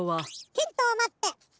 ヒントはまって！